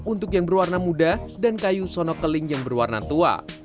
untuk yang berwarna muda dan kayu sono keling yang berwarna tua